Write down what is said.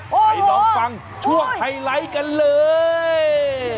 ไปลองฟังช่วงไฮไลท์กันเลย